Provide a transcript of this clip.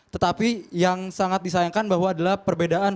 tetapi yang sangat disayangkan bahwa adalah perbedaan